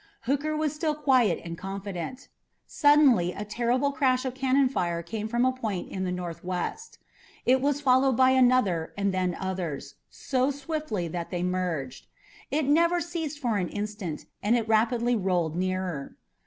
Hooker was still quiet and confident. Suddenly a terrific crash of cannon fire came from a point in the northwest. It was followed by another and then others, so swiftly that they merged. It never ceased for an instant and it rapidly rolled nearer.